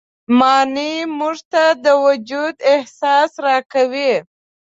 معنی موږ ته د وجود احساس راکوي.